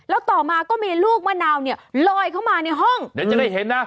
แล้วต่อมาก็มีลูกมะนาวเนี่ยลอยเข้ามาในห้องเดี๋ยวจะได้เห็นนะ